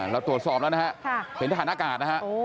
เราตรวจสอบแล้วเป็นตาหนักกาล